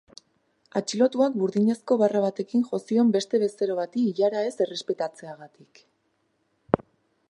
Atxilotuak burdinezko barra batekin jo zion beste bezero bati ilara ez errespetatzeagatik.